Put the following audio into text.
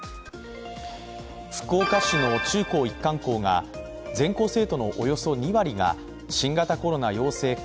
福岡市の中高一貫校が全校生徒のおよそ２割が新型コロナ陽性か